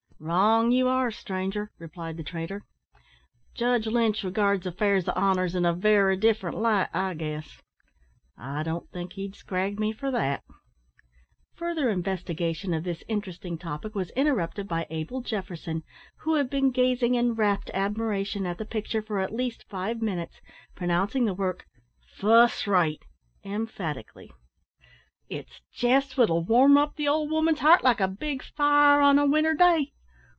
"Wrong, you air, stranger," replied the trader; "Judge Lynch regards affairs of honour in a very different light, I guess. I don't think he'd scrag me for that." Further investigation of this interesting topic was interrupted by Abel Jefferson, who had been gazing in wrapt admiration at the picture for at least five minutes, pronouncing the work "fuss rate," emphatically. "It's jest what'll warm up the old 'ooman's heart, like a big fire in a winter day.